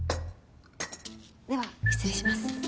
では失礼します。